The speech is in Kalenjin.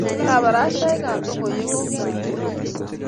Kabarashaik ab lokoiwek ko kimiten